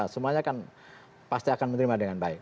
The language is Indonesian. semuanya kan pasti akan menerima dengan baik